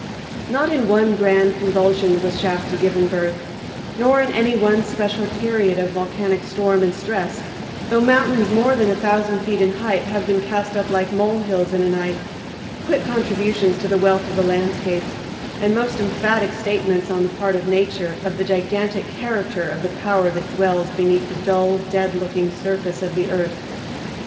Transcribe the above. Not in one grand convulsion was Shasta given birth, nor in any one special period of volcanic storm and stress, though mountains more than a thousand feet in height have been cast up like molehills in a night—quick contributions to the wealth of the landscapes, and most emphatic statements, on the part of Nature, of the gigantic character of the power that dwells beneath the dull, dead looking surface of the earth.